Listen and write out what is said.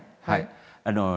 はい。